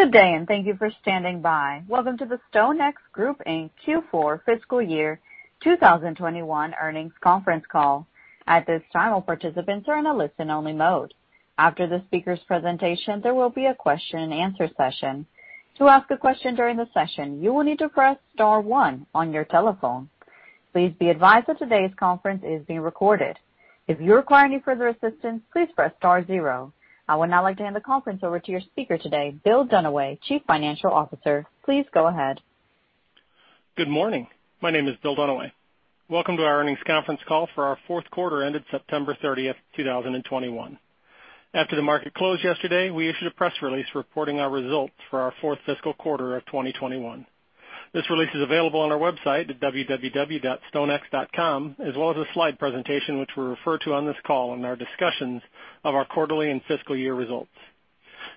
Good day, and thank you for standing by. Welcome to the StoneX Group Inc. Q4 fiscal year 2021 earnings conference call. At this time, all participants are in a listen-only mode. After the speaker's presentation, there will be a question and answer session. To ask a question during the session, you will need to press star one on your telephone. Please be advised that today's conference is being recorded. If you require any further assistance, please press star zero. I would now like to hand the conference over to your speaker today, Bill Dunaway, Chief Financial Officer. Please go ahead. Good morning. My name is Bill Dunaway. Welcome to our earnings conference call for our fourth quarter ended September 30th, 2021. After the market closed yesterday, we issued a press release reporting our results for our fourth fiscal quarter of 2021. This release is available on our website at www.stonex.com, as well as a slide presentation which we'll refer to on this call in our discussions of our quarterly and fiscal year results.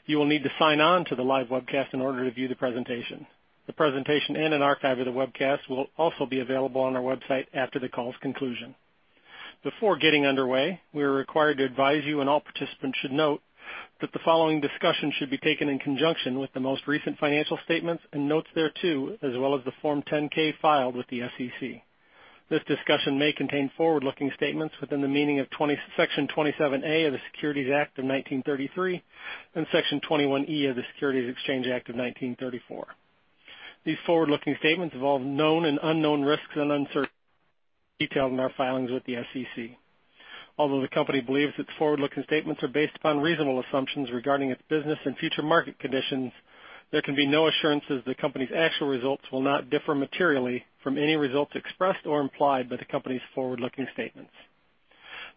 You will need to sign on to the live webcast in order to view the presentation. The presentation and an archive of the webcast will also be available on our website after the call's conclusion. Before getting underway, we are required to advise you, and all participants should note, that the following discussion should be taken in conjunction with the most recent financial statements and notes thereto, as well as the Form 10-K filed with the SEC. This discussion may contain forward-looking statements within the meaning of Section 27A of the Securities Act of 1933 and Section 21E of the Securities Exchange Act of 1934. These forward-looking statements involve known and unknown risks and uncertainties detailed in our filings with the SEC. Although the company believes its forward-looking statements are based upon reasonable assumptions regarding its business and future market conditions, there can be no assurances the company's actual results will not differ materially from any results expressed or implied by the company's forward-looking statements.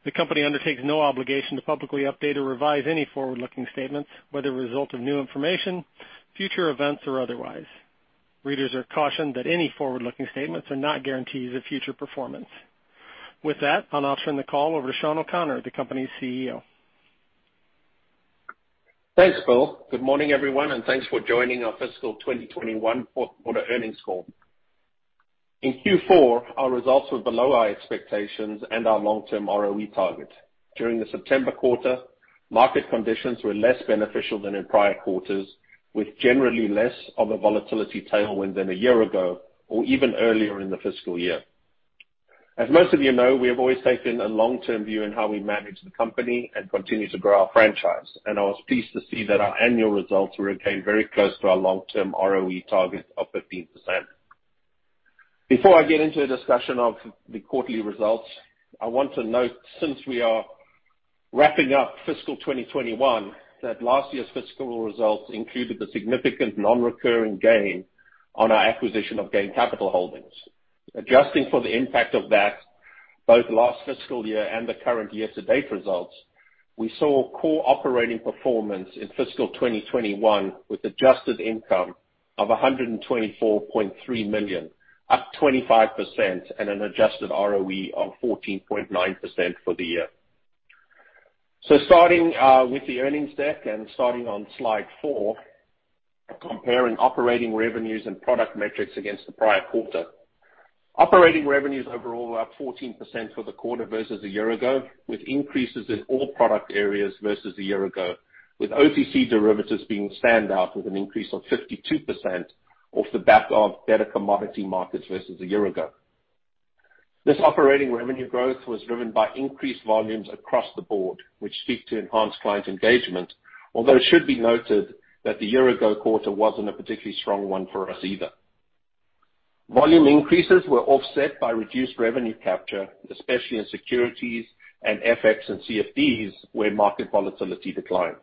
The company undertakes no obligation to publicly update or revise any forward-looking statements, whether a result of new information, future events, or otherwise. Readers are cautioned that any forward-looking statements are not guarantees of future performance. With that, I'll now turn the call over to Sean O'Connor, the company's CEO. Thanks, Bill. Good morning, everyone, and thanks for joining our fiscal 2021 fourth quarter earnings call. In Q4, our results were below our expectations and our long-term ROE target. During the September quarter, market conditions were less beneficial than in prior quarters, with generally less of a volatility tailwind than a year ago or even earlier in the fiscal year. As most of you know, we have always taken a long-term view in how we manage the company and continue to grow our franchise, and I was pleased to see that our annual results remained very close to our long-term ROE target of 15%. Before I get into a discussion of the quarterly results, I want to note, since we are wrapping up fiscal 2021, that last year's fiscal results included the significant non-recurring gain on our acquisition of GAIN Capital Holdings. Adjusting for the impact of that, both last fiscal year and the current year-to-date results, we saw core operating performance in fiscal 2021, with adjusted income of $124.3 million, up 25% and an adjusted ROE of 14.9% for the year. Starting with the earnings deck and starting on slide 4, comparing operating revenues and product metrics against the prior quarter. Operating revenues overall were up 14% for the quarter versus a year ago, with increases in all product areas versus a year ago, with OTC derivatives being the standout, with an increase of 52% off the back of better commodity markets versus a year ago. This operating revenue growth was driven by increased volumes across the board, which speak to enhanced client engagement, although it should be noted that the year-ago quarter wasn't a particularly strong one for us either. Volume increases were offset by reduced revenue capture, especially in securities and FX and CFDs, where market volatility declined.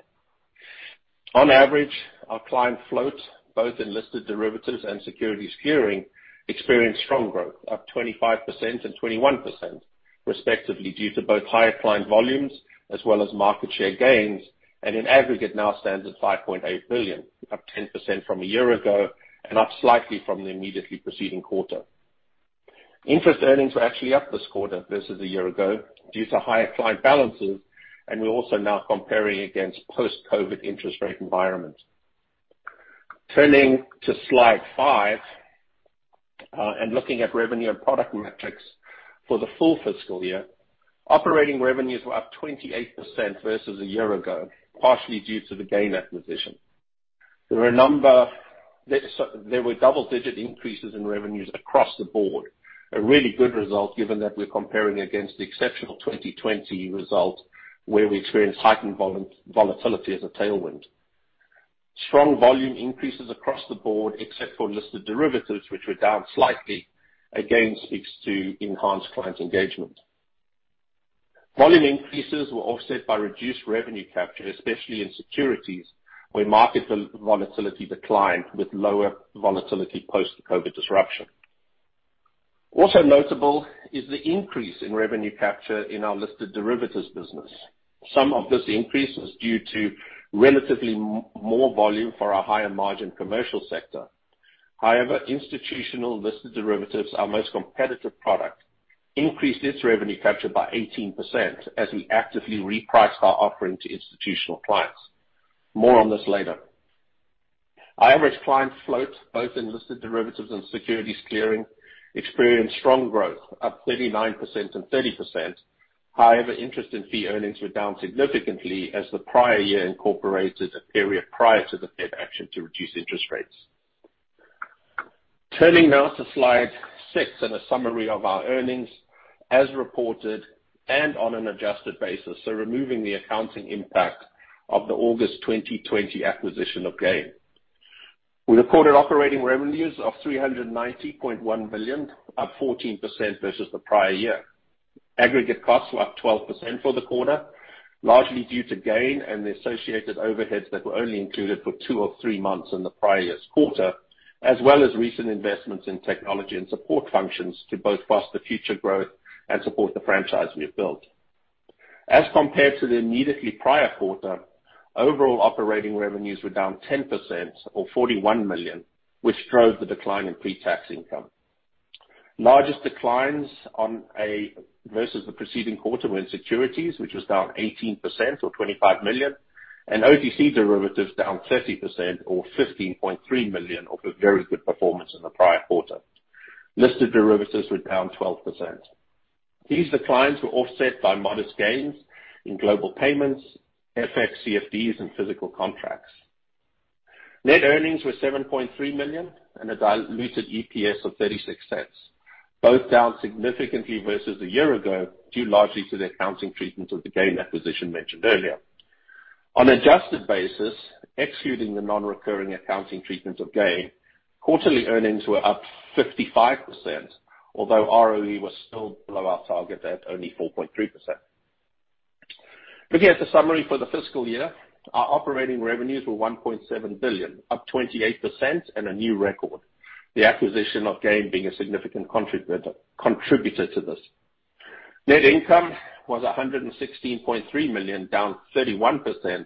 On average, our client float, both in listed derivatives and securities clearing, experienced strong growth, up 25% and 21%, respectively, due to both higher client volumes as well as market share gains, and in aggregate now stands at $5.8 billion, up 10% from a year ago and up slightly from the immediately preceding quarter. Interest earnings were actually up this quarter versus a year ago due to higher client balances, and we're also now comparing against post-COVID interest rate environment. Turning to slide 5, and looking at revenue and product metrics for the full fiscal year, operating revenues were up 28% versus a year ago, partially due to the GAIN acquisition. There were double-digit increases in revenues across the board. A really good result given that we're comparing against the exceptional 2020 result, where we experienced heightened volatility as a tailwind. Strong volume increases across the board, except for listed derivatives, which were down slightly, again speaks to enhanced client engagement. Volume increases were offset by reduced revenue capture, especially in securities, where market volatility declined with lower volatility post the COVID disruption. Also notable is the increase in revenue capture in our listed derivatives business. Some of this increase was due to relatively more volume for our higher-margin commercial sector. However, institutional listed derivatives, our most competitive product, increased its revenue capture by 18% as we actively repriced our offering to institutional clients. More on this later. Our average client float, both in listed derivatives and securities clearing, experienced strong growth, up 39% and 30%. However, interest income and fee earnings were down significantly as the prior year incorporated a period prior to the Fed action to reduce interest rates. Turning now to slide 6 and a summary of our earnings as reported and on an adjusted basis, so removing the accounting impact of the August 2020 acquisition of GAIN. We recorded operating revenues of $390.1 billion, up 14% versus the prior year. Aggregate costs were up 12% for the quarter, largely due to GAIN and the associated overheads that were only included for two or three months in the prior year's quarter, as well as recent investments in technology and support functions to both foster future growth and support the franchise we have built. As compared to the immediately prior quarter, overall operating revenues were down 10% or $41 million, which drove the decline in pre-tax income. Largest declines versus the preceding quarter were in securities, which was down 18% or $25 million, and OTC derivatives down 30% or $15.3 million off a very good performance in the prior quarter. Listed derivatives were down 12%. These declines were offset by modest gains in global payments, FX/CFDs, and physical contracts. Net earnings were $7.3 million and a diluted EPS of $0.36, both down significantly versus a year ago, due largely to the accounting treatment of the GAIN acquisition mentioned earlier. On adjusted basis, excluding the non-recurring accounting treatment of GAIN, quarterly earnings were up 55%, although ROE was still below our target at only 4.3%. Looking at the summary for the fiscal year, our operating revenues were $1.7 billion, up 28% and a new record. The acquisition of GAIN being a significant contributor to this. Net income was $116.3 million, down 31%.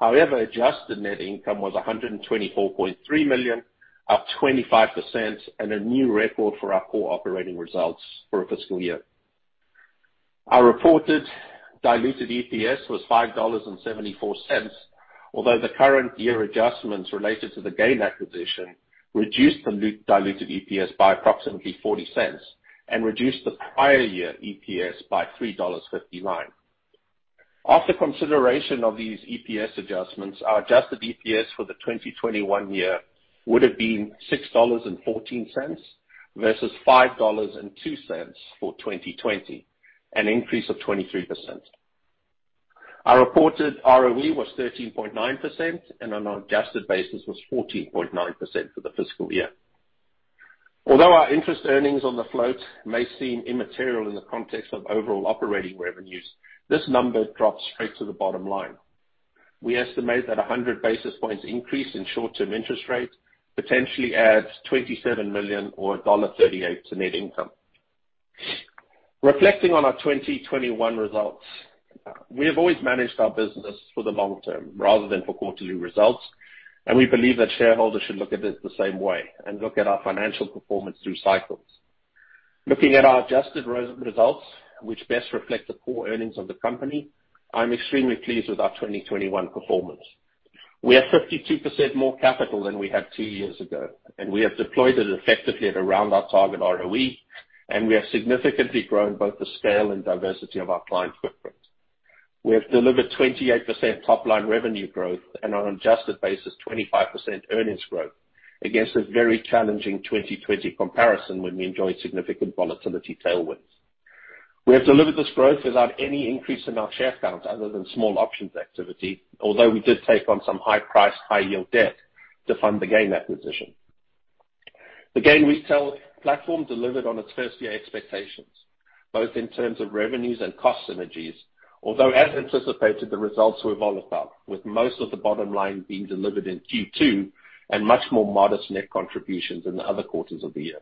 However, adjusted net income was $124.3 million, up 25% and a new record for our core operating results for a fiscal year. Our reported diluted EPS was $5.74, although the current year adjustments related to the GAIN acquisition reduced diluted EPS by approximately $0.40 and reduced the prior year EPS by $3.59. After consideration of these EPS adjustments, our adjusted EPS for the 2021 year would have been $6.14 versus $5.02 for 2020, an increase of 23%. Our reported ROE was 13.9%, and on an adjusted basis was 14.9% for the fiscal year. Although our interest earnings on the float may seem immaterial in the context of overall operating revenues, this number drops straight to the bottom line. We estimate that a 100 basis points increase in short-term interest rates potentially adds $27 million or $1.38 to net income. Reflecting on our 2021 results, we have always managed our business for the long term rather than for quarterly results, and we believe that shareholders should look at it the same way and look at our financial performance through cycles. Looking at our adjusted results, which best reflect the core earnings of the company, I'm extremely pleased with our 2021 performance. We have 52% more capital than we had two years ago, and we have deployed it effectively at around our target ROE, and we have significantly grown both the scale and diversity of our client footprint. We have delivered 28% top-line revenue growth, and on an adjusted basis, 25% earnings growth against a very challenging 2020 comparison when we enjoyed significant volatility tailwinds. We have delivered this growth without any increase in our share count other than small options activity. Although we did take on some high-priced, high-yield debt to fund the GAIN acquisition. The GAIN retail platform delivered on its first year expectations, both in terms of revenues and cost synergies, although, as anticipated, the results were volatile, with most of the bottom line being delivered in Q2 and much more modest net contributions in the other quarters of the year.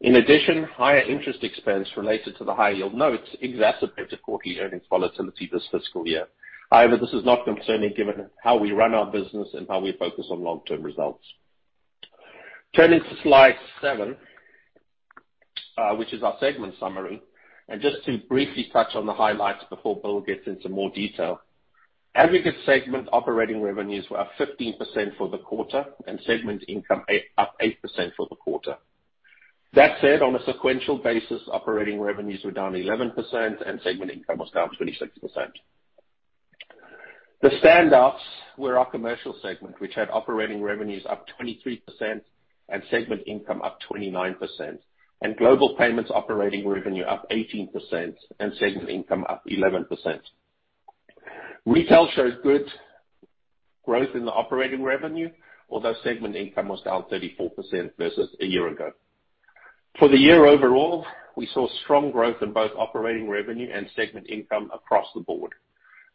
In addition, higher interest expense related to the high-yield notes exacerbated quarterly earnings volatility this fiscal year. However, this is not concerning given how we run our business and how we focus on long-term results. Turning to slide 7, which is our segment summary, and just to briefly touch on the highlights before Bill gets into more detail. Aggregate segment operating revenues were up 15% for the quarter and segment income up 8% for the quarter. That said, on a sequential basis, operating revenues were down 11% and segment income was down 26%. The standouts were our Commercial segment, which had operating revenues up 23% and segment income up 29%, and Global Payments operating revenue up 18% and segment income up 11%. Retail shows good growth in the operating revenue, although segment income was down 34% versus a year ago. For the year overall, we saw strong growth in both operating revenue and segment income across the board.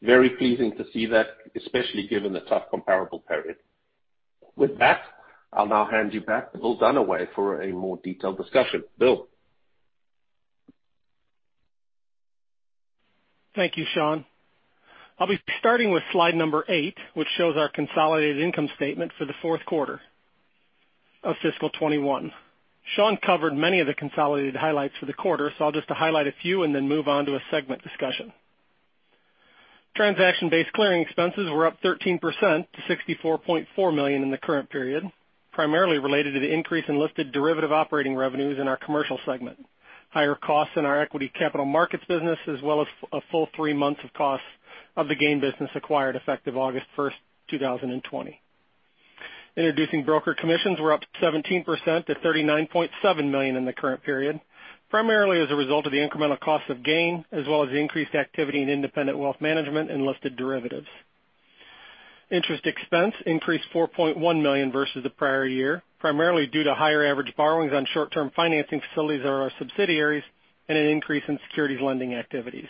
Very pleasing to see that, especially given the tough comparable period. With that, I'll now hand you back to Bill Dunaway for a more detailed discussion. Bill? Thank you, Sean. I'll be starting with slide number 8, which shows our consolidated income statement for the fourth quarter of fiscal 2021. Sean covered many of the consolidated highlights for the quarter, so I'll just highlight a few and then move on to a segment discussion. Transaction-based clearing expenses were up 13% to $64.4 million in the current period, primarily related to the increase in listed derivative operating revenues in our commercial segment. Higher costs in our equity capital markets business, as well as a full three months of costs of the GAIN business acquired effective August 1st, 2020. Introducing broker commissions were up 17% to $39.7 million in the current period, primarily as a result of the incremental cost of GAIN, as well as the increased activity in independent wealth management and listed derivatives. Interest expense increased $4.1 million versus the prior year, primarily due to higher average borrowings on short-term financing facilities of our subsidiaries and an increase in securities lending activities.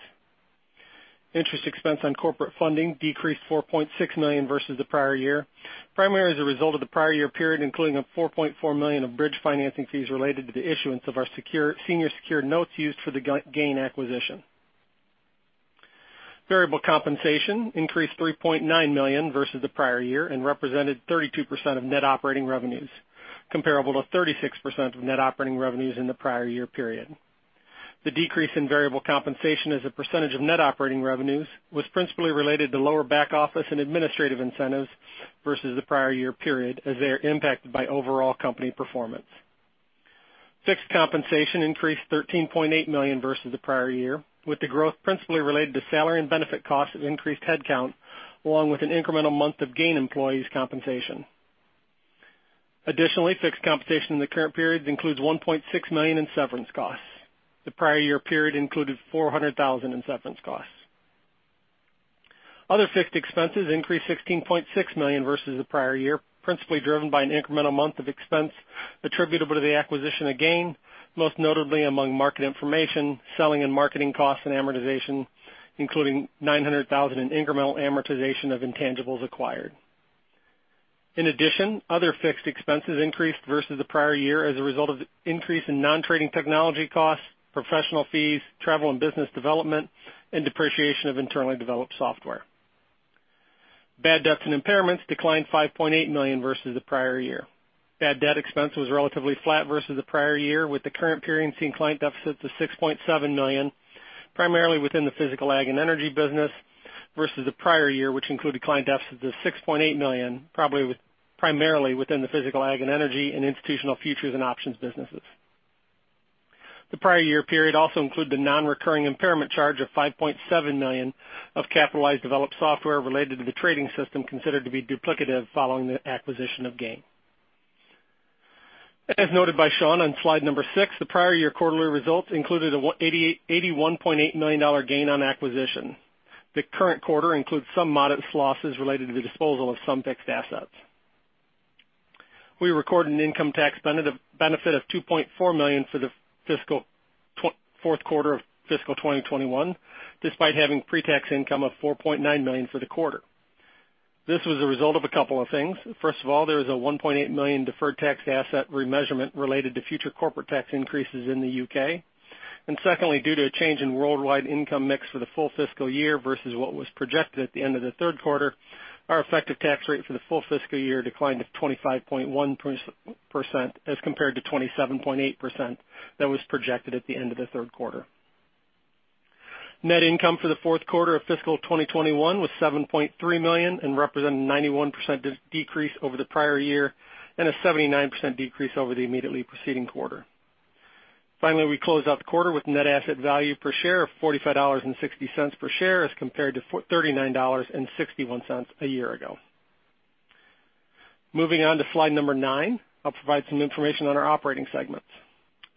Interest expense on corporate funding decreased $4.6 million versus the prior year, primarily as a result of the prior year period, including $4.4 million of bridge financing fees related to the issuance of our senior secured notes used for the GAIN acquisition. Variable compensation increased $3.9 million versus the prior year and represented 32% of net operating revenues, comparable to 36% of net operating revenues in the prior year period. The decrease in variable compensation as a percentage of net operating revenues was principally related to lower back office and administrative incentives versus the prior year period as they are impacted by overall company performance. Fixed compensation increased $13.8 million versus the prior year, with the growth principally related to salary and benefit costs of increased headcount, along with an incremental month of GAIN employees compensation. Additionally, fixed compensation in the current period includes $1.6 million in severance costs. The prior year period included $400,000 in severance costs. Other fixed expenses increased $16.6 million versus the prior year, principally driven by an incremental month of expense attributable to the acquisition of GAIN, most notably among market information, selling and marketing costs and amortization, including $900,000 in incremental amortization of intangibles acquired. In addition, other fixed expenses increased versus the prior year as a result of the increase in non-trading technology costs, professional fees, travel and business development, and depreciation of internally developed software. Bad debts and impairments declined $5.8 million versus the prior year. Bad debt expense was relatively flat versus the prior year, with the current period seeing client deficits of $6.7 million, primarily within the physical ag and energy business versus the prior year, which included client deficits of $6.8 million, primarily within the physical ag and energy and institutional futures and options businesses. The prior year period also included the non-recurring impairment charge of $5.7 million of capitalized developed software related to the trading system considered to be duplicative following the acquisition of GAIN. As noted by Sean on slide 6, the prior year quarterly results included an $81.8 million gain on acquisition. The current quarter includes some modest losses related to the disposal of some fixed assets. We recorded an income tax benefit of $2.4 million for the fourth quarter of fiscal 2021, despite having pre-tax income of $4.9 million for the quarter. This was a result of a couple of things. First of all, there was a 1.8 million deferred tax asset remeasurement related to future corporate tax increases in the U.K. Secondly, due to a change in worldwide income mix for the full fiscal year versus what was projected at the end of the third quarter, our effective tax rate for the full fiscal year declined to 25.1% as compared to 27.8% that was projected at the end of the third quarter. Net income for the fourth quarter of fiscal 2021 was $7.3 million and represented a 91% decrease over the prior year and a 79% decrease over the immediately preceding quarter. Finally, we closed out the quarter with net asset value per share of $45.60 per share as compared to $39.61 a year ago. Moving on to slide 9, I'll provide some information on our operating segments.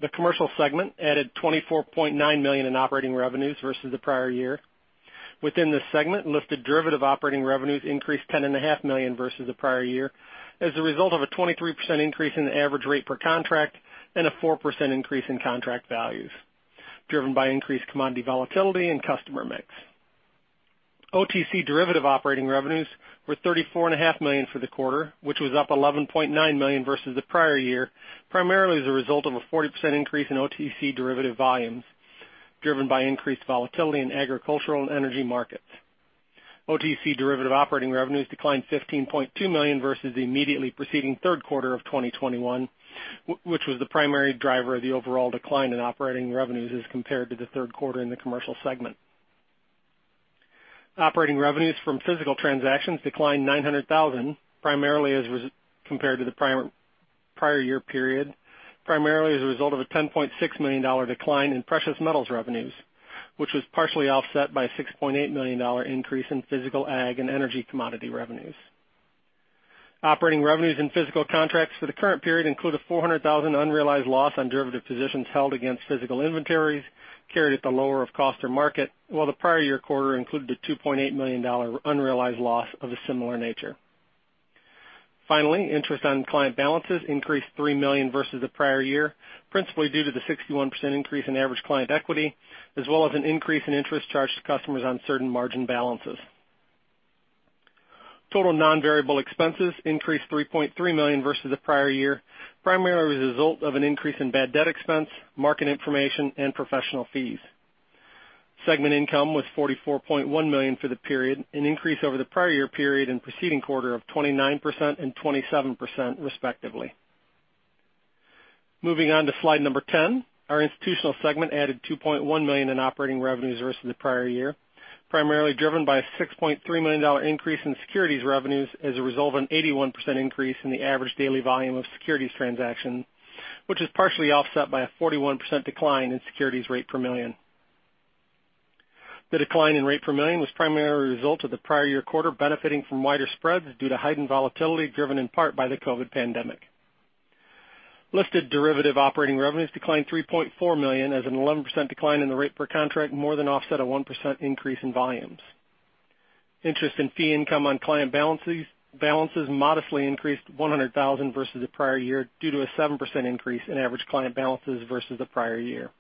The Commercial segment added $24.9 million in operating revenues versus the prior year. Within this segment, listed derivatives operating revenues increased $10.5 million versus the prior year as a result of a 23% increase in the average rate per contract and a 4% increase in contract values, driven by increased commodity volatility and customer mix. OTC derivatives operating revenues were $34.5 million for the quarter, which was up $11.9 million versus the prior year, primarily as a result of a 40% increase in OTC derivatives volumes driven by increased volatility in agricultural and energy markets. OTC derivatives operating revenues declined $15.2 million versus the immediately preceding third quarter of 2021, which was the primary driver of the overall decline in operating revenues as compared to the third quarter in the commercial segment. Operating revenues from physical transactions declined $900,000 primarily as compared to the prior year period, primarily as a result of a $10.6 million decline in precious metals revenues, which was partially offset by a $6.8 million increase in physical ag and energy commodity revenues. Operating revenues in physical contracts for the current period include a $400,000 unrealized loss on derivative positions held against physical inventories carried at the lower of cost or market, while the prior year quarter included a $2.8 million unrealized loss of a similar nature. Interest on client balances increased $3 million versus the prior year, principally due to the 61% increase in average client equity, as well as an increase in interest charged to customers on certain margin balances. Total non-variable expenses increased $3.3 million versus the prior year, primarily as a result of an increase in bad debt expense, market information, and professional fees. Segment income was $44.1 million for the period, an increase over the prior year period and preceding quarter of 29% and 27% respectively. Moving on to slide 10. Our institutional segment added $2.1 million in operating revenues versus the prior year, primarily driven by a $6.3 million increase in securities revenues as a result of an 81% increase in the average daily volume of securities transactions, which is partially offset by a 41% decline in securities rate per million. The decline in rate per million was primarily a result of the prior year quarter benefiting from wider spreads due to heightened volatility driven in part by the COVID pandemic. Listed derivatives operating revenues declined $3.4 million as an 11% decline in the rate per contract more than offset a 1% increase in volumes. Interest and fee income on client balances modestly increased $100,000 versus the prior year due to a 7% increase in average client balances versus the prior year.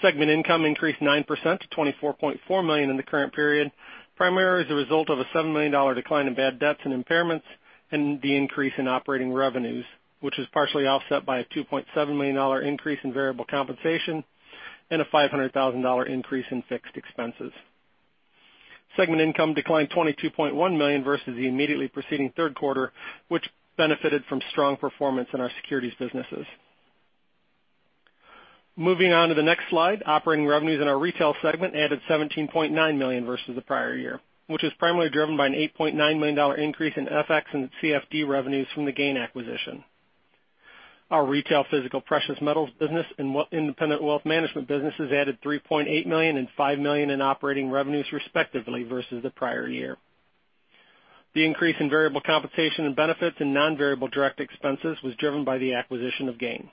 Segment income increased 9% to $24.4 million in the current period, primarily as a result of a $7 million decline in bad debts and impairments and the increase in operating revenues, which was partially offset by a $2.7 million increase in variable compensation and a $500,000 increase in fixed expenses. Segment income declined $22.1 million versus the immediately preceding third quarter, which benefited from strong performance in our securities businesses. Moving on to the next slide. Operating revenues in our retail segment added $17.9 million versus the prior year, which is primarily driven by an $8.9 million increase in FX and CFD revenues from the GAIN acquisition. Our retail physical precious metals business and independent wealth management businesses added $3.8 million and $5 million in operating revenues, respectively, versus the prior year. The increase in variable compensation and benefits and non-variable direct expenses was driven by the acquisition of GAIN.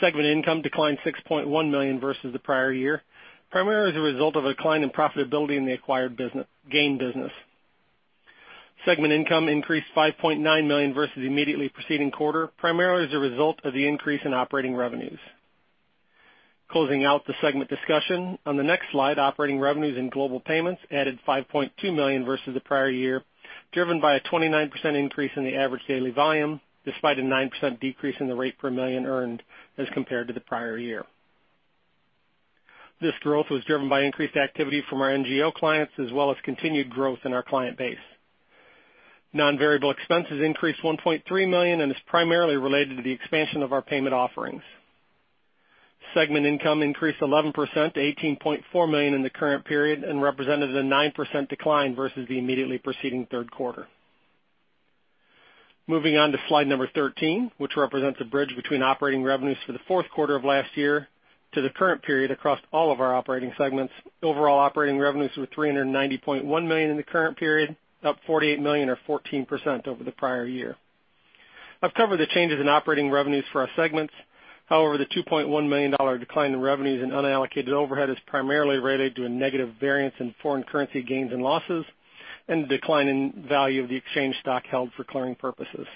Segment income declined $6.1 million versus the prior year, primarily as a result of a decline in profitability in the acquired GAIN business. Segment income increased $5.9 million versus the immediately preceding quarter, primarily as a result of the increase in operating revenues. Closing out the segment discussion, on the next slide, operating revenues in Global Payments added $5.2 million versus the prior year, driven by a 29% increase in the average daily volume despite a 9% decrease in the rate per million earned as compared to the prior year. This growth was driven by increased activity from our NGO clients as well as continued growth in our client base. Non-variable expenses increased $1.3 million and is primarily related to the expansion of our payment offerings. Segment income increased 11% to $18.4 million in the current period and represented a 9% decline versus the immediately preceding third quarter. Moving on to slide 13, which represents a bridge between operating revenues for the fourth quarter of last year to the current period across all of our operating segments. Overall operating revenues were $390.1 million in the current period, up $48 million or 14% over the prior year. I've covered the changes in operating revenues for our segments. However, the $2.1 million decline in revenues and unallocated overhead is primarily related to a negative variance in foreign currency gains and losses and the decline in value of the exchange stock held for clearing purposes.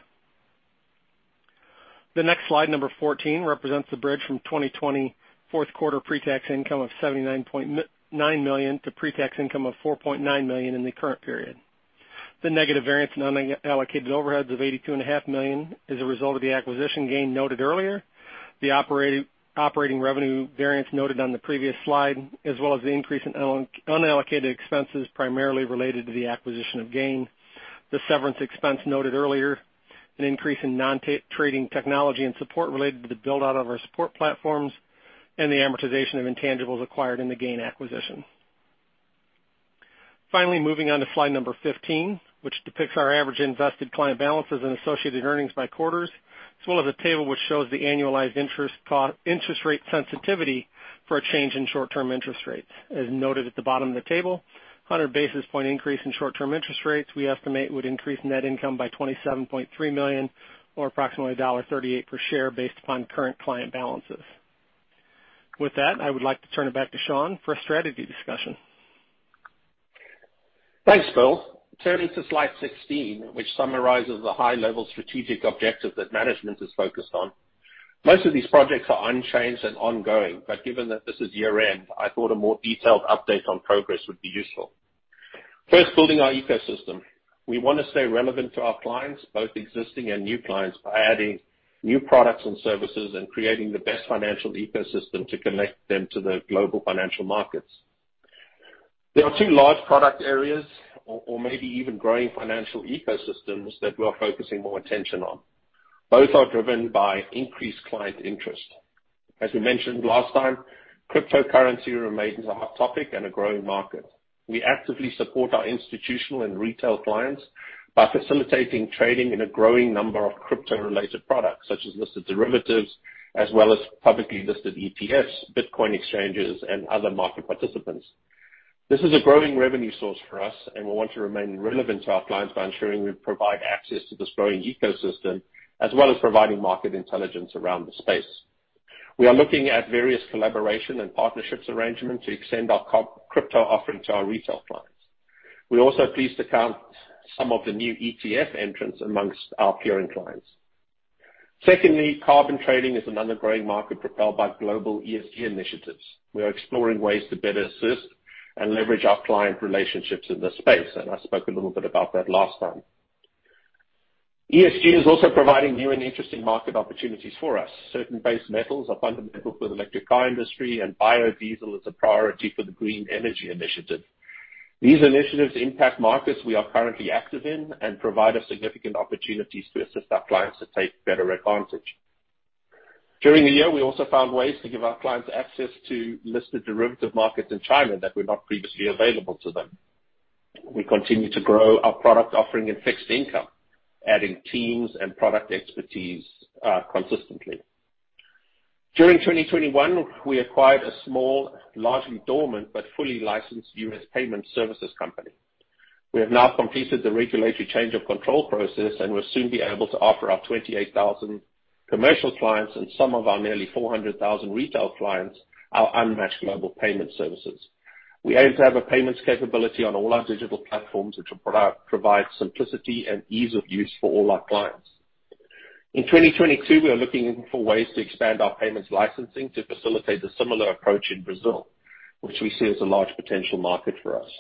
The next slide, number 14, represents the bridge from 2020 fourth quarter pre-tax income of $79.9 million to pre-tax income of $4.9 million in the current period. The negative variance in unallocated overheads of $82.5 million is a result of the acquisition GAIN noted earlier, the operating revenue variance noted on the previous slide, as well as the increase in unallocated expenses primarily related to the acquisition of GAIN, the severance expense noted earlier, an increase in non-trading technology and support related to the build-out of our support platforms, and the amortization of intangibles acquired in the GAIN acquisition. Finally, moving on to slide number 15, which depicts our average invested client balances and associated earnings by quarters, as well as a table which shows the annualized interest rate sensitivity for a change in short-term interest rates. As noted at the bottom of the table, 100 basis point increase in short-term interest rates, we estimate, would increase net income by $27.3 million or approximately $1.38 per share based upon current client balances. With that, I would like to turn it back to Sean for a strategy discussion. Thanks, Bill. Turning to slide 16, which summarizes the high-level strategic objectives that management is focused on. Most of these projects are unchanged and ongoing, but given that this is year-end, I thought a more detailed update on progress would be useful. First, building our ecosystem. We want to stay relevant to our clients, both existing and new clients, by adding new products and services and creating the best financial ecosystem to connect them to the global financial markets. There are two large product areas or maybe even growing financial ecosystems that we are focusing more attention on. Both are driven by increased client interest. As we mentioned last time, cryptocurrency remains a hot topic and a growing market. We actively support our institutional and retail clients by facilitating trading in a growing number of crypto-related products, such as listed derivatives as well as publicly listed ETFs, Bitcoin exchanges, and other market participants. This is a growing revenue source for us, and we want to remain relevant to our clients by ensuring we provide access to this growing ecosystem as well as providing market intelligence around the space. We are looking at various collaboration and partnerships arrangements to extend our crypto offering to our retail clients. We're also pleased to count some of the new ETF entrants among our clearing clients. Secondly, carbon trading is another growing market propelled by global ESG initiatives. We are exploring ways to better assist and leverage our client relationships in this space, and I spoke a little bit about that last time. ESG is also providing new and interesting market opportunities for us. Certain base metals are fundamental for the electric car industry, and biodiesel is a priority for the green energy initiative. These initiatives impact markets we are currently active in and provide us significant opportunities to assist our clients to take better advantage. During the year, we also found ways to give our clients access to listed derivative markets in China that were not previously available to them. We continue to grow our product offering in fixed income, adding teams and product expertise, consistently. During 2021, we acquired a small, largely dormant, but fully licensed U.S. payment services company. We have now completed the regulatory change of control process, and we'll soon be able to offer our 28,000 commercial clients and some of our nearly 400,000 retail clients, our unmatched global payment services. We aim to have a payments capability on all our digital platforms, which will provide simplicity and ease of use for all our clients. In 2022, we are looking for ways to expand our payments licensing to facilitate a similar approach in Brazil, which we see as a large potential market for us.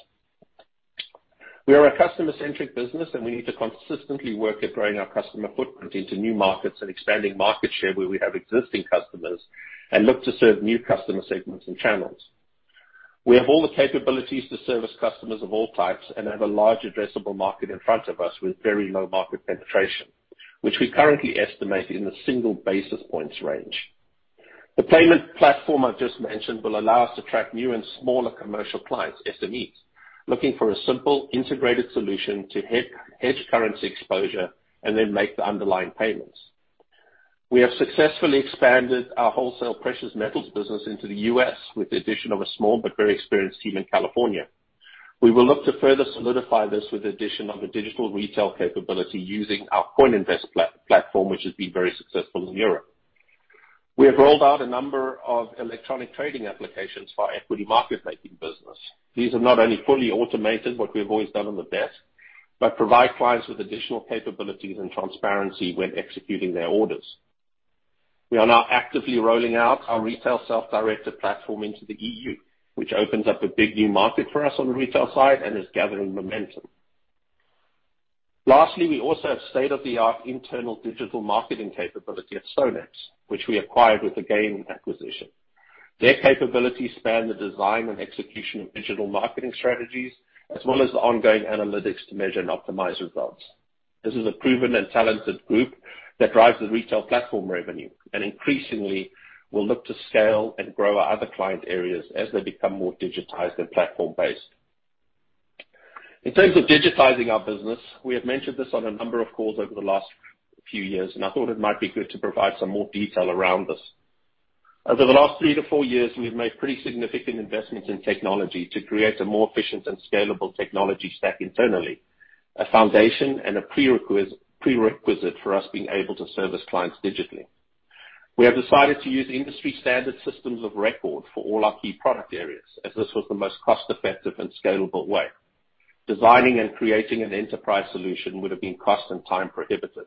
We are a customer-centric business, and we need to consistently work at growing our customer footprint into new markets and expanding market share where we have existing customers and look to serve new customer segments and channels. We have all the capabilities to service customers of all types and have a large addressable market in front of us with very low market penetration, which we currently estimate in the single basis points range. The payment platform I've just mentioned will allow us to attract new and smaller commercial clients, SMEs, looking for a simple integrated solution to hedge currency exposure and then make the underlying payments. We have successfully expanded our wholesale precious metals business into the U.S. with the addition of a small but very experienced team in California. We will look to further solidify this with the addition of a digital retail capability using our Coininvest platform, which has been very successful in Europe. We have rolled out a number of electronic trading applications for our equity market making business. These are not only fully automated, what we have always done on the desk, but provide clients with additional capabilities and transparency when executing their orders. We are now actively rolling out our retail self-directed platform into the EU, which opens up a big new market for us on the retail side and is gathering momentum. Lastly, we also have state-of-the-art internal digital marketing capability at StoneX, which we acquired with the GAIN acquisition. Their capabilities span the design and execution of digital marketing strategies, as well as the ongoing analytics to measure and optimize results. This is a proven and talented group that drives the retail platform revenue and increasingly will look to scale and grow our other client areas as they become more digitized and platform-based. In terms of digitizing our business, we have mentioned this on a number of calls over the last few years, and I thought it might be good to provide some more detail around this. Over the last three to four years, we've made pretty significant investments in technology to create a more efficient and scalable technology stack internally, a foundation and a prerequisite for us being able to service clients digitally. We have decided to use industry-standard systems of record for all our key product areas, as this was the most cost-effective and scalable way. Designing and creating an enterprise solution would have been cost and time prohibitive.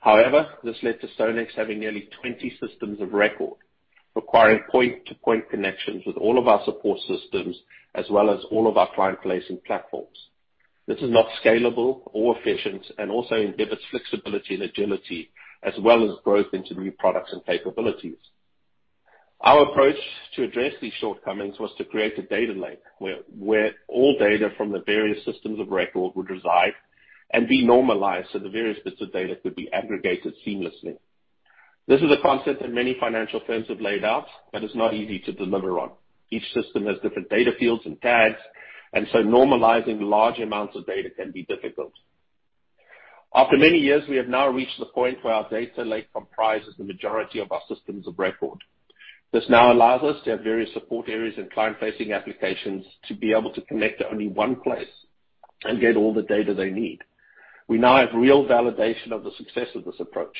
However, this led to StoneX having nearly 20 systems of record requiring point-to-point connections with all of our support systems as well as all of our client-facing platforms. This is not scalable or efficient and also inhibits flexibility and agility as well as growth into new products and capabilities. Our approach to address these shortcomings was to create a data lake where all data from the various systems of record would reside and be normalized, so the various bits of data could be aggregated seamlessly. This is a concept that many financial firms have laid out, but it's not easy to deliver on. Each system has different data fields and tags, and so normalizing large amounts of data can be difficult. After many years, we have now reached the point where our data lake comprises the majority of our systems of record. This now allows us to have various support areas and client-facing applications to be able to connect to only one place and get all the data they need. We now have real validation of the success of this approach.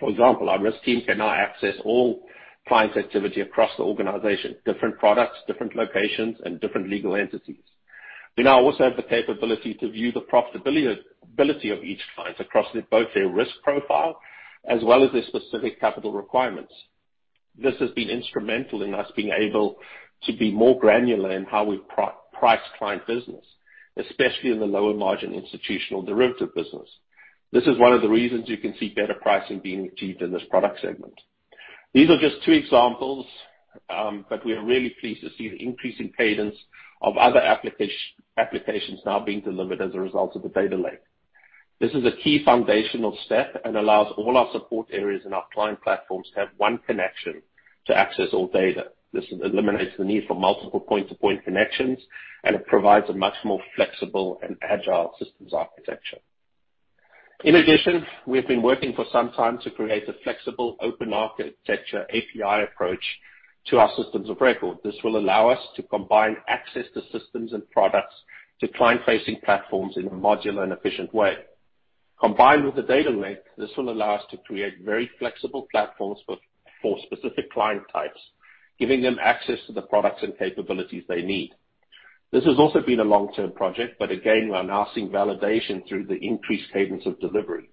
For example, our risk team can now access all clients' activity across the organization, different products, different locations, and different legal entities. We now also have the capability to view the profitability, ability of each client across both their risk profile as well as their specific capital requirements. This has been instrumental in us being able to be more granular in how we price client business, especially in the lower margin institutional derivative business. This is one of the reasons you can see better pricing being achieved in this product segment. These are just two examples, but we are really pleased to see the increasing cadence of other applications now being delivered as a result of the data lake. This is a key foundational step and allows all our support areas and our client platforms to have one connection to access all data. This eliminates the need for multiple point-to-point connections, and it provides a much more flexible and agile systems architecture. In addition, we have been working for some time to create a flexible open architecture API approach to our systems of record. This will allow us to combine access to systems and products to client-facing platforms in a modular and efficient way. Combined with the data lake, this will allow us to create very flexible platforms for specific client types, giving them access to the products and capabilities they need. This has also been a long-term project, but again, we are now seeing validation through the increased cadence of delivery.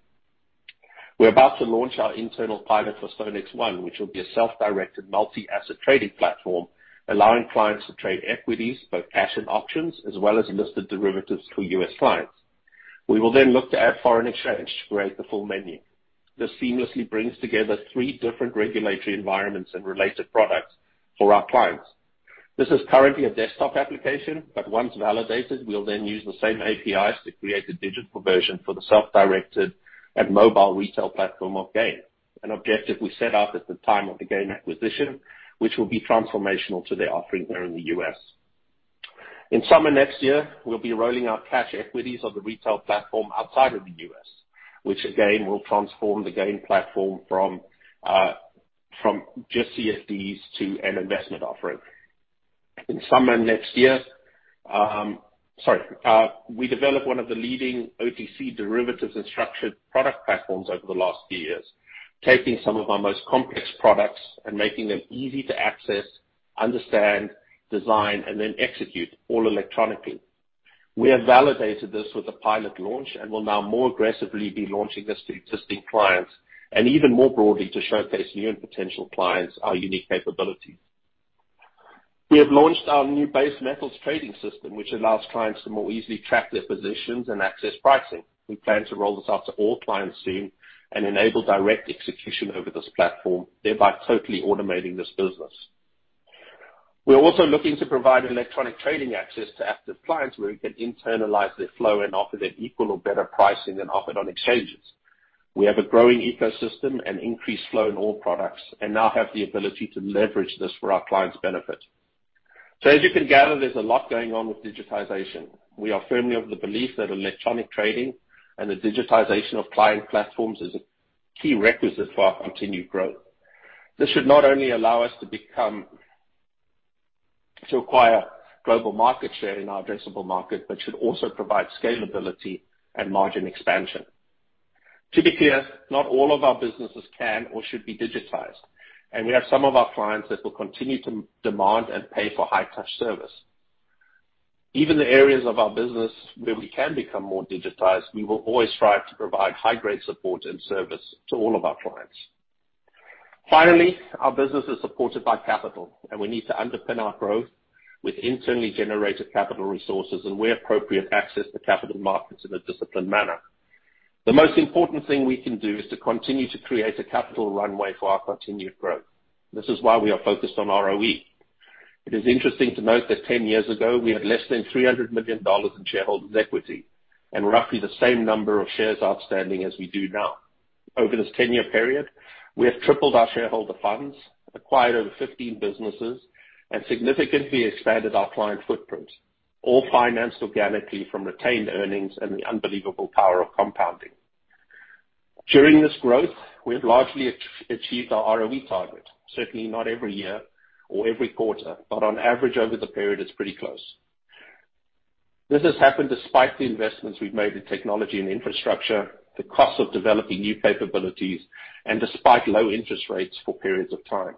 We're about to launch our internal pilot for StoneX One, which will be a self-directed multi-asset trading platform, allowing clients to trade equities, both cash and options, as well as listed derivatives to U.S. clients. We will then look to add foreign exchange to create the full menu. This seamlessly brings together three different regulatory environments and related products for our clients. This is currently a desktop application, but once validated, we'll then use the same APIs to create a digital version for the self-directed and mobile retail platform of GAIN, an objective we set out at the time of the GAIN acquisition, which will be transformational to their offering there in the U.S. In summer next year, we'll be rolling out cash equities on the retail platform outside of the U.S., which again, will transform the GAIN platform from just CFDs to an investment offering. We developed one of the leading OTC derivatives and structured product platforms over the last few years, taking some of our most complex products and making them easy to access, understand, design, and then execute all electronically. We have validated this with a pilot launch and will now more aggressively be launching this to existing clients, and even more broadly to showcase new and potential clients our unique capabilities. We have launched our new base metals trading system, which allows clients to more easily track their positions and access pricing. We plan to roll this out to all clients soon and enable direct execution over this platform, thereby totally automating this business. We are also looking to provide electronic trading access to active clients where we can internalize their flow and offer them equal or better pricing than offered on exchanges. We have a growing ecosystem and increased flow in all products, and now have the ability to leverage this for our clients' benefit. As you can gather, there's a lot going on with digitization. We are firmly of the belief that electronic trading and the digitization of client platforms is a key requisite for our continued growth. This should not only allow us to acquire global market share in our addressable market, but should also provide scalability and margin expansion. To be clear, not all of our businesses can or should be digitized, and we have some of our clients that will continue to demand and pay for high-touch service. Even the areas of our business where we can become more digitized, we will always strive to provide high-grade support and service to all of our clients. Finally, our business is supported by capital, and we need to underpin our growth with internally generated capital resources and, where appropriate, access to capital markets in a disciplined manner. The most important thing we can do is to continue to create a capital runway for our continued growth. This is why we are focused on ROE. It is interesting to note that 10 years ago, we had less than $300 million in shareholders' equity and roughly the same number of shares outstanding as we do now. Over this 10-year period, we have tripled our shareholder funds, acquired over 15 businesses, and significantly expanded our client footprint, all financed organically from retained earnings and the unbelievable power of compounding. During this growth, we have largely achieved our ROE target, certainly not every year or every quarter, but on average over the period, it's pretty close. This has happened despite the investments we've made in technology and infrastructure, the cost of developing new capabilities, and despite low interest rates for periods of time.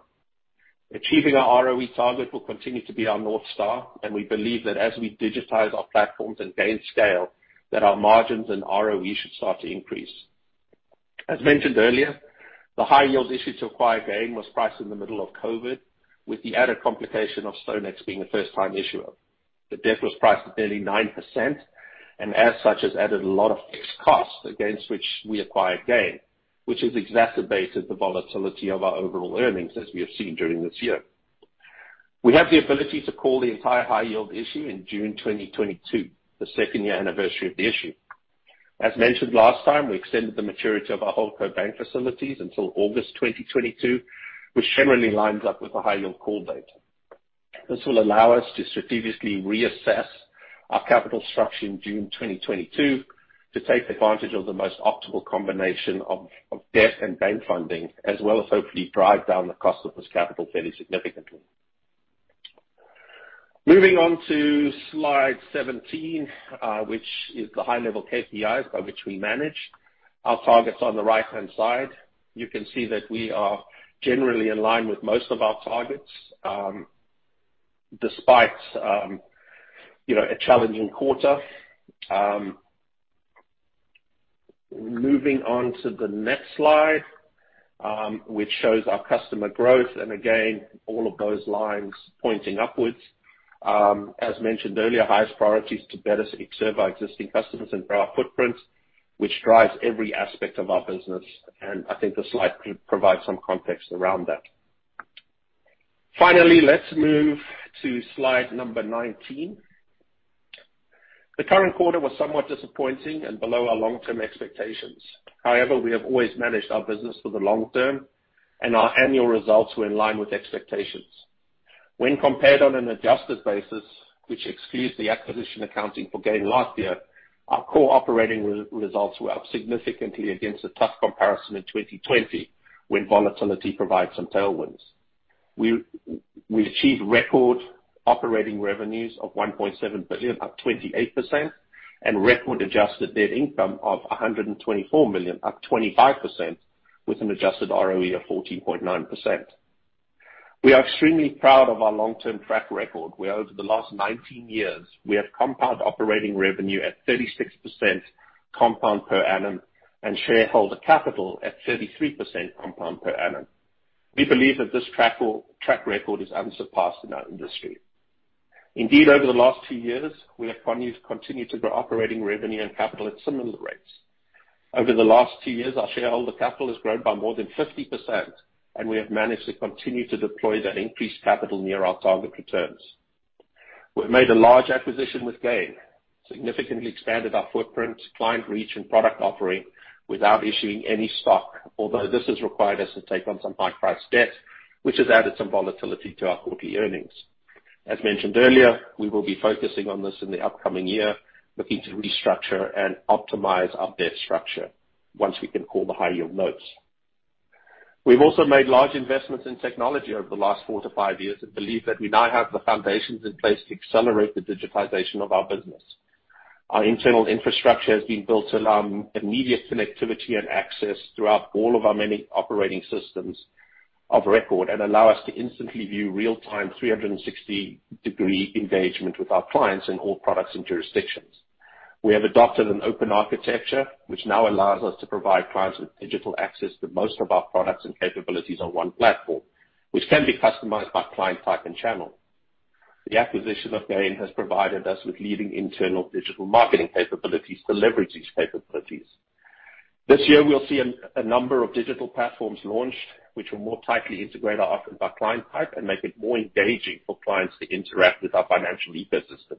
Achieving our ROE target will continue to be our North Star, and we believe that as we digitize our platforms and gain scale, that our margins and ROE should start to increase. As mentioned earlier, the high-yield issued to acquire GAIN was priced in the middle of COVID, with the added complication of StoneX being a first-time issuer. The debt was priced at nearly 9%, and as such, has added a lot of fixed cost against which we acquired GAIN, which has exacerbated the volatility of our overall earnings, as we have seen during this year. We have the ability to call the entire high-yield issue in June 2022, the second-year anniversary of the issue. As mentioned last time, we extended the maturity of our holdco bank facilities until August 2022, which generally lines up with the high-yield call date. This will allow us to strategically reassess our capital structure in June 2022 to take advantage of the most optimal combination of debt and bank funding, as well as hopefully drive down the cost of this capital fairly significantly. Moving on to slide 17, which is the high-level KPIs by which we manage. Our targets on the right-hand side. You can see that we are generally in line with most of our targets, despite you know, a challenging quarter. Moving on to the next slide, which shows our customer growth. Again, all of those lines pointing upwards. As mentioned earlier, highest priority is to better serve our existing customers and grow our footprint, which drives every aspect of our business, and I think this slide could provide some context around that. Finally, let's move to slide number 19. The current quarter was somewhat disappointing and below our long-term expectations. However, we have always managed our business for the long term, and our annual results were in line with expectations. When compared on an adjusted basis, which excludes the acquisition accounting for GAIN last year, our core operating results were up significantly against a tough comparison in 2020, when volatility provided some tailwinds. We achieved record operating revenues of $1.7 billion, up 28%, and record adjusted net income of $124 million, up 25%, with an adjusted ROE of 14.9%. We are extremely proud of our long-term track record, where over the last 19 years, we have compound operating revenue at 36% compound per annum and shareholder capital at 33% compound per annum. We believe that this track record is unsurpassed in our industry. Indeed, over the last two years, we have continued to grow operating revenue and capital at similar rates. Over the last two years, our shareholder capital has grown by more than 50%, and we have managed to continue to deploy that increased capital near our target returns. We've made a large acquisition with GAIN, significantly expanded our footprint, client reach and product offering without issuing any stock, although this has required us to take on some high-priced debt, which has added some volatility to our quarterly earnings. As mentioned earlier, we will be focusing on this in the upcoming year, looking to restructure and optimize our debt structure once we can call the high-yield notes. We've also made large investments in technology over the last four to five years and believe that we now have the foundations in place to accelerate the digitization of our business. Our internal infrastructure has been built to allow immediate connectivity and access throughout all of our many operating systems of record and allow us to instantly view real-time 360-degree engagement with our clients in all products and jurisdictions. We have adopted an open architecture, which now allows us to provide clients with digital access to most of our products and capabilities on one platform, which can be customized by client type and channel. The acquisition of GAIN has provided us with leading internal digital marketing capabilities to leverage these capabilities. This year, we'll see a number of digital platforms launched which will more tightly integrate our offering by client type and make it more engaging for clients to interact with our financial ecosystem.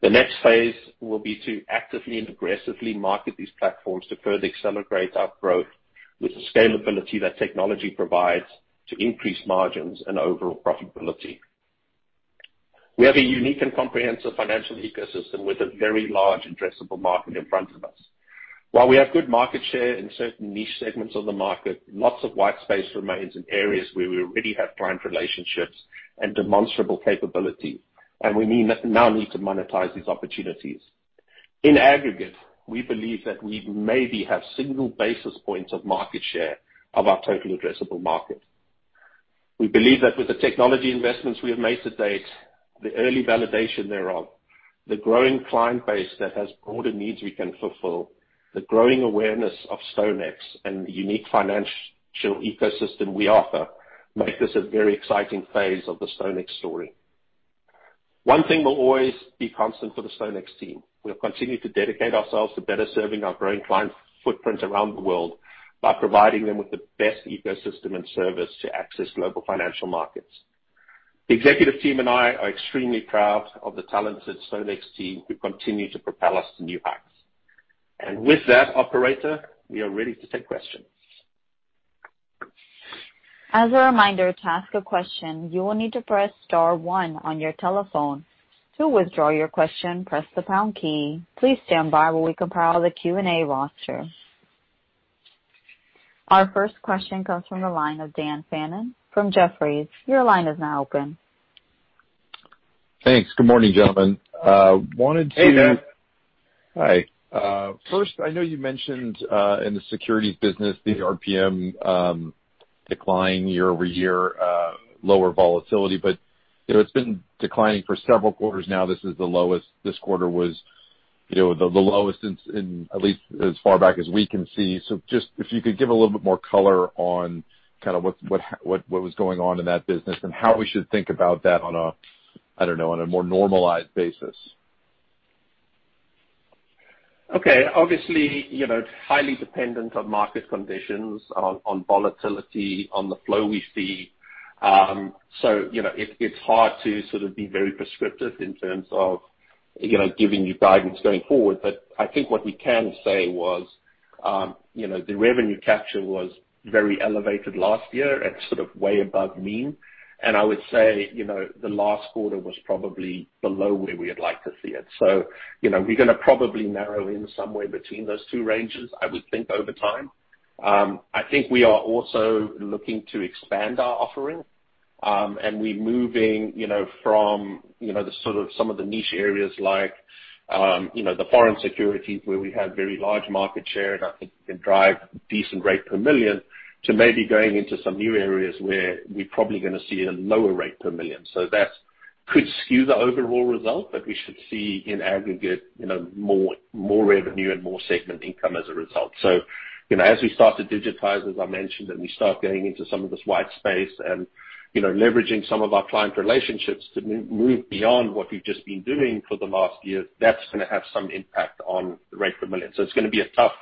The next phase will be to actively and aggressively market these platforms to further accelerate our growth with the scalability that technology provides to increase margins and overall profitability. We have a unique and comprehensive financial ecosystem with a very large addressable market in front of us. While we have good market share in certain niche segments of the market, lots of white space remains in areas where we already have client relationships and demonstrable capability, and we now need to monetize these opportunities. In aggregate, we believe that we maybe have single basis points of market share of our total addressable market. We believe that with the technology investments we have made to date, the early validation thereof, the growing client base that has broader needs we can fulfill, the growing awareness of StoneX and the unique financial ecosystem we offer, make this a very exciting phase of the StoneX story. One thing will always be constant for the StoneX team. We'll continue to dedicate ourselves to better serving our growing client footprint around the world by providing them with the best ecosystem and service to access global financial markets. The executive team and I are extremely proud of the talented StoneX team who continue to propel us to new heights. With that, operator, we are ready to take questions. As a reminder, to ask a question, you will need to press star one on your telephone. To withdraw your question, press the pound key. Please stand by while we compile the Q&A roster. Our first question comes from the line of Dan Fannon from Jefferies. Your line is now open. Thanks. Good morning, gentlemen. Wanted to- Hey, Dan. Hi. First, I know you mentioned in the securities business the RPM declining year-over-year, lower volatility. You know, it's been declining for several quarters now. This quarter was the lowest since, in at least as far back as we can see. Just if you could give a little bit more color on kind of what was going on in that business and how we should think about that on a, I don't know, on a more normalized basis. Okay. Obviously, you know, it's highly dependent on market conditions, on volatility, on the flow we see. You know, it's hard to sort of be very prescriptive in terms of, you know, giving you guidance going forward. But I think what we can say was, you know, the revenue capture was very elevated last year at sort of way above mean. And I would say, you know, the last quarter was probably below where we would like to see it. You know, we're gonna probably narrow in somewhere between those two ranges, I would think over time. I think we are also looking to expand our offering, and we're moving, you know, from, you know, the sort of some of the niche areas like, you know, the foreign securities where we have very large market share and I think can drive decent rate per million to maybe going into some new areas where we're probably gonna see a lower rate per million. That could skew the overall result, but we should see in aggregate, you know, more revenue and more segment income as a result. You know, as we start to digitize, as I mentioned, and we start going into some of this white space and, you know, leveraging some of our client relationships to move beyond what we've just been doing for the last year, that's gonna have some impact on the rate per million. It's gonna be a tough thing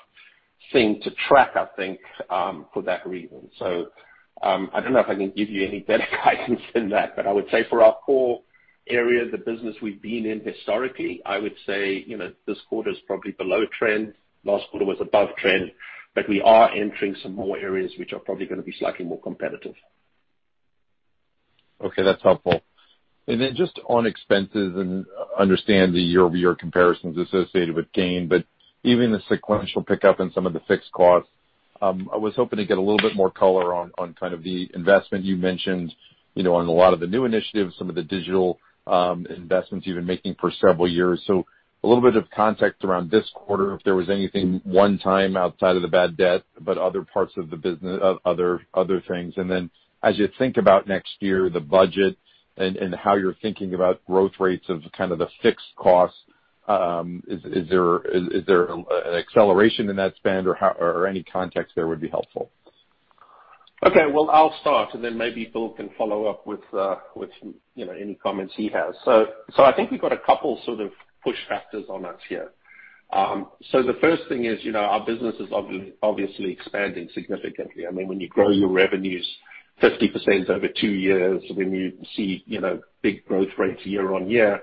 to track, I think, for that reason. I don't know if I can give you any better guidance than that, but I would say for our core area of the business we've been in historically, I would say, you know, this quarter is probably below trend. Last quarter was above trend, but we are entering some more areas which are probably gonna be slightly more competitive. Okay, that's helpful. Then just on expenses and understand the year-over-year comparisons associated with GAIN, but even the sequential pickup and some of the fixed costs, I was hoping to get a little bit more color on kind of the investment you mentioned, you know, on a lot of the new initiatives, some of the digital investments you've been making for several years. A little bit of context around this quarter, if there was anything one time outside of the bad debt, but other parts of the other things. Then as you think about next year, the budget and how you're thinking about growth rates of kind of the fixed costs, is there an acceleration in that spend or how, or any context there would be helpful? Okay. Well, I'll start, and then maybe Bill can follow up with you know any comments he has. I think we've got a couple sort of push factors on us here. The first thing is, you know, our business is obviously expanding significantly. I mean, when you grow your revenues 50% over two years, when you see, you know, big growth rates year on year,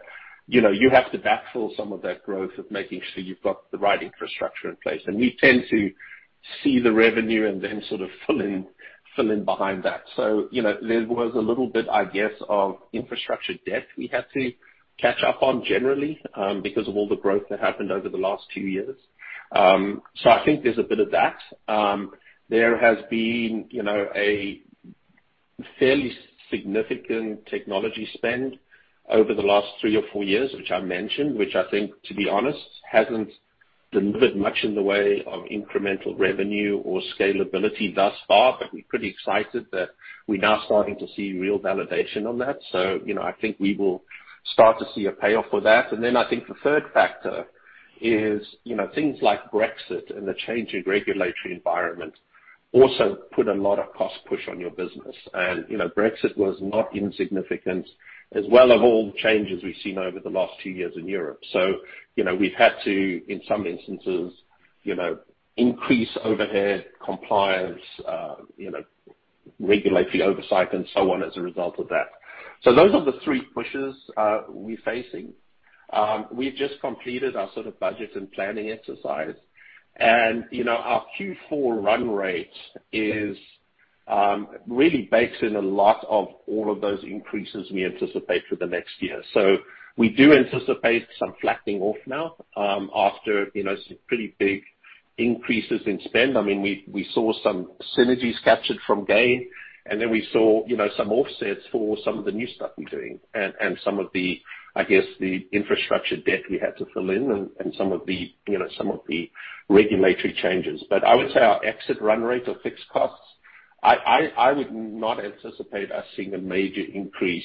you know, you have to backfill some of that growth of making sure you've got the right infrastructure in place. We tend to see the revenue and then sort of fill in behind that. You know, there was a little bit, I guess, of infrastructure debt we had to catch up on generally because of all the growth that happened over the last two years. I think there's a bit of that. There has been, you know, a fairly significant technology spend over the last three or four years, which I mentioned, which I think, to be honest, hasn't delivered much in the way of incremental revenue or scalability thus far. We're pretty excited that we're now starting to see real validation on that. You know, I think we will start to see a payoff for that. Then I think the third factor is, you know, things like Brexit and the change in regulatory environment also put a lot of cost push on your business. You know, Brexit was not insignificant as well of all the changes we've seen over the last two years in Europe. We've had to, in some instances, increase overhead compliance, regulatory oversight and so on as a result of that. Those are the three pushes we're facing. We've just completed our sort of budget and planning exercise. Our Q4 run rate is really bakes in a lot of all of those increases we anticipate for the next year. We do anticipate some flattening off now, after some pretty big increases in spend. We saw some synergies captured from GAIN, and then we saw some offsets for some of the new stuff we're doing and some of the, I guess, the infrastructure debt we had to fill in and some of the regulatory changes. I would say our exit run rate of fixed costs. I would not anticipate us seeing a major increase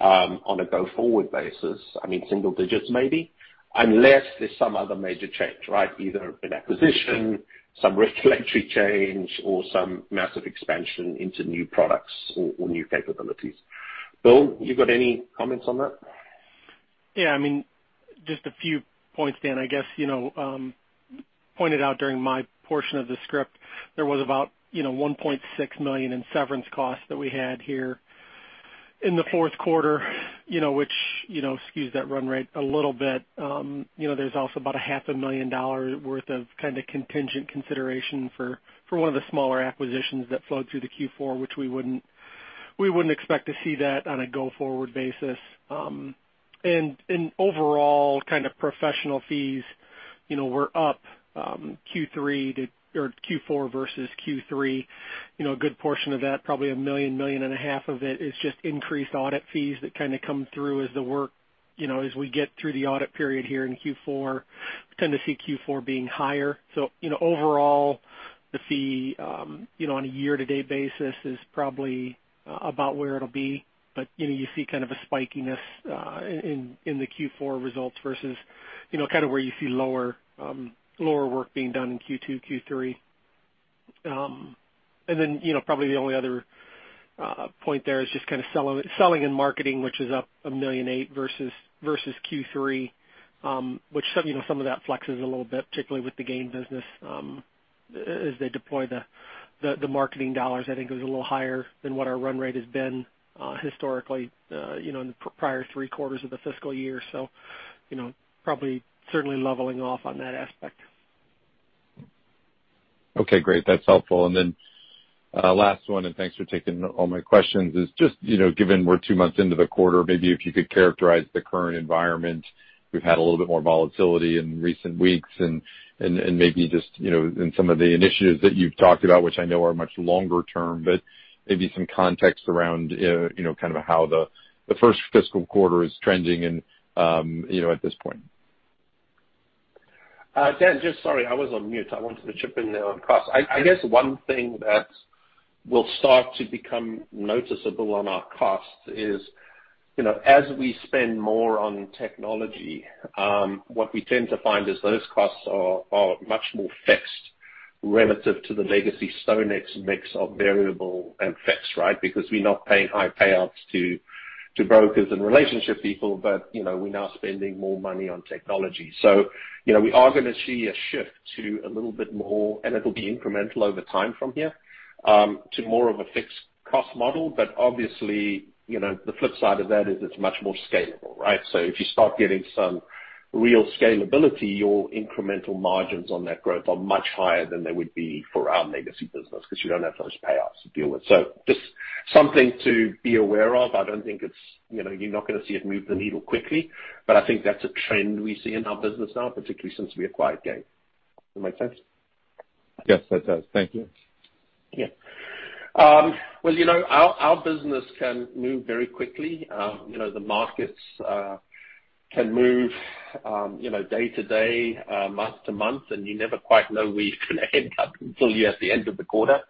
on a go-forward basis. I mean, single digits maybe, unless there's some other major change, right? Either an acquisition, some regulatory change, or some massive expansion into new products or new capabilities. Bill, you got any comments on that? Yeah. I mean, just a few points, Dan. I guess you know pointed out during my portion of the script, there was about $1.6 million in severance costs that we had here in the fourth quarter, you know, which you know skews that run rate a little bit. You know, there's also about a half a million dollars worth of kind of contingent consideration for one of the smaller acquisitions that flowed through the Q4, which we wouldn't expect to see that on a go-forward basis. And overall, kind of professional fees, you know, were up Q3 to or Q4 versus Q3. You know, a good portion of that, probably $1 million-$1.5 million of it is just increased audit fees that kinda come through as the work, you know, as we get through the audit period here in Q4, tend to see Q4 being higher. You know, overall the fee, you know, on a year-to-date basis is probably about where it'll be. You know, you see kind of a spikiness in the Q4 results versus, you know, kinda where you see lower work being done in Q2, Q3. You know, probably the only other point there is just kinda selling and marketing which is up $1.8 million versus Q3, which, you know, some of that flexes a little bit, particularly with the GAIN business, as they deploy the marketing dollars. I think it was a little higher than what our run rate has been, historically, you know, in the prior three quarters of the fiscal year. You know, probably certainly leveling off on that aspect. Okay. Great. That's helpful. Last one, and thanks for taking all my questions, is just, you know, given we're two months into the quarter, maybe if you could characterize the current environment. We've had a little bit more volatility in recent weeks and maybe just, you know, in some of the initiatives that you've talked about, which I know are much longer term, but maybe some context around, you know, kind of how the first fiscal quarter is trending and, you know, at this point. Dan, just sorry, I was on mute. I wanted to chip in there on costs. I guess one thing that will start to become noticeable on our costs is, you know, as we spend more on technology, what we tend to find is those costs are much more fixed relative to the legacy StoneX mix of variable and fixed, right? Because we're not paying high payouts to brokers and relationship people, but, you know, we're now spending more money on technology. You know, we are gonna see a shift to a little bit more, and it'll be incremental over time from here, to more of a fixed cost model. Obviously, you know, the flip side of that is it's much more scalable, right? If you start getting some real scalability, your incremental margins on that growth are much higher than they would be for our legacy business 'cause you don't have those payouts to deal with. Just something to be aware of. I don't think it's. You know, you're not gonna see it move the needle quickly, but I think that's a trend we see in our business now, particularly since we acquired GAIN. That make sense? Yes, that does. Thank you. Well, you know, our business can move very quickly. You know, the markets can move, you know, day to day, month to month, and you never quite know where you're gonna end up until you're at the end of the quarter.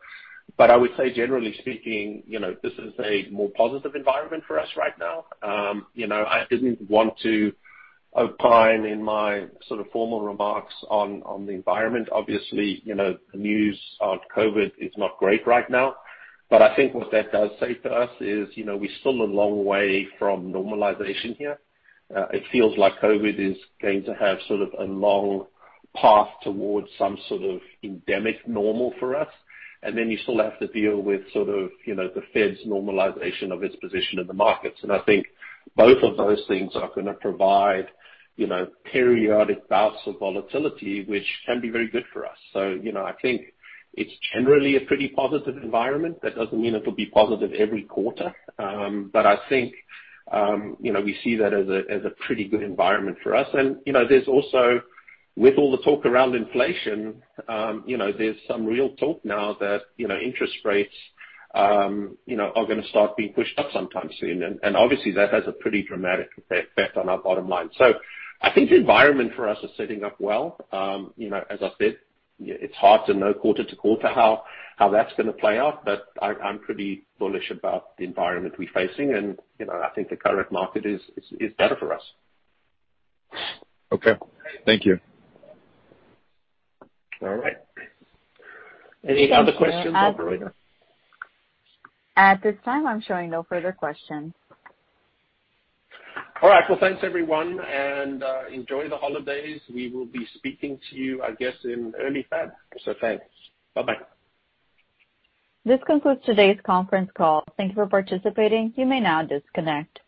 I would say, generally speaking, you know, this is a more positive environment for us right now. You know, I didn't want to opine in my sort of formal remarks on the environment. Obviously, you know, the news on COVID is not great right now. I think what that does say to us is, you know, we're still a long way from normalization here. It feels like COVID is going to have sort of a long path towards some sort of endemic normal for us. You still have to deal with sort of, you know, the Fed's normalization of its position in the markets. I think both of those things are gonna provide, you know, periodic bouts of volatility, which can be very good for us. You know, I think it's generally a pretty positive environment. That doesn't mean it'll be positive every quarter. I think, you know, we see that as a pretty good environment for us. You know, there's also, with all the talk around inflation, you know, there's some real talk now that, you know, interest rates, you know, are gonna start being pushed up sometime soon. Obviously that has a pretty dramatic effect on our bottom line. I think the environment for us is setting up well. You know, as I said, it's hard to know quarter to quarter how that's gonna play out. I'm pretty bullish about the environment we're facing and, you know, I think the current market is better for us. Okay. Thank you. All right. Any other questions, operator? At this time, I'm showing no further questions. All right. Well, thanks everyone, and enjoy the holidays. We will be speaking to you, I guess, in early February. Thanks. Bye-bye. This concludes today's conference call. Thank you for participating. You may now disconnect.